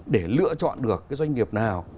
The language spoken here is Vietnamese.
để lựa chọn được cái doanh nghiệp nào